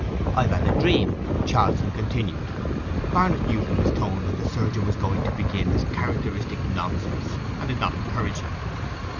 'I've had a dream,' Charlson continued. Barnet knew from his tone that the surgeon was going to begin his characteristic nonsense, and did not encourage him.